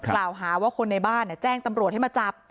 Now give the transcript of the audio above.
กล่าวหาว่าคนในบ้านแจ้งตำรวจให้มาจับ